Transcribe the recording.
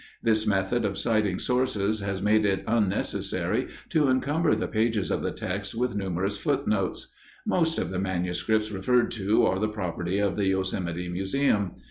This method of citing sources has made it unnecessary to encumber the pages of the text with numerous footnotes. Most of the manuscripts referred to are the property of the Yosemite Museum.